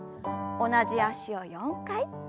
同じ脚を４回。